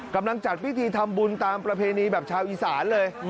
จัดพิธีทำบุญตามประเพณีแบบชาวอีสานเลย